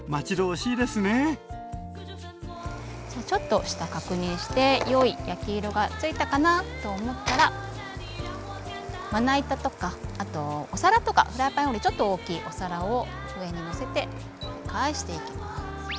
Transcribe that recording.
じゃちょっと下確認して良い焼き色が付いたかなと思ったらまな板とかあとお皿とかフライパンよりちょっと大きいお皿を上にのせて返していきます。